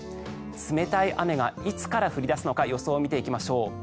冷たい雨がいつから降り出すのか予想を見ていきましょう。